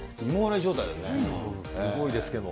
すごいですけども。